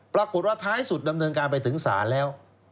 ปรากฏว่าท้ายสุดดำเนินการไปถึงศาลแล้ว